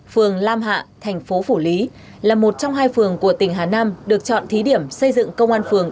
phường lam hạ thành phố phủ lý là một trong hai phường của tỉnh hà nam được chọn thí điểm xây dựng công an phường